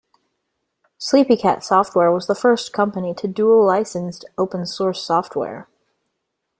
Sleepycat Software was the first company to dual-licensed open-source software.